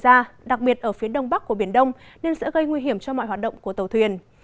nhiệt độ cao nhất ngày phổ biến ở phía đông bắc của biển đông nên sẽ gây nguy hiểm cho mọi hoạt động của tàu thuyền